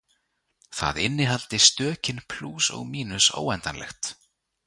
Það innihaldi stökin plús og mínus óendanlegt.